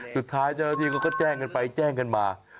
สุดท้ายเจ้าหน้าที่เขาก็แจ้งกันไปแจ้งกันมา